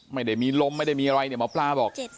ไม่ได้มีลมไม่ได้มีอะไรเนี่ยหมอปลาบอก